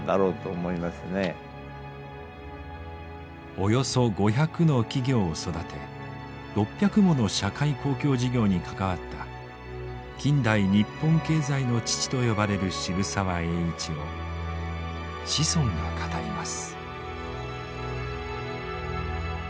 およそ５００の企業を育て６００もの社会公共事業に関わった近代日本経済の父と呼ばれる渋沢栄一を子孫が語ります。